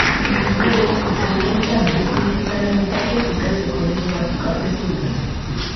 Ondoren, ikasgeletan eduki digitalen bitartez ikasteko eredu batzuk aurkeztu dira.